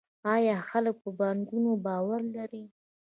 آیا خلک په بانکونو باور لري؟